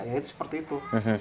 ya itu seperti itu